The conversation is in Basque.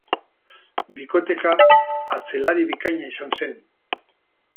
Bikoteka, atzelari bikaina izan zen.